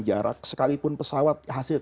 jarak sekalipun pesawat hasil